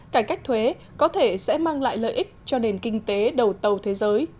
cải cách thuế có thể sẽ mang lại lợi ích cho nền kinh tế đầu tàu thế giới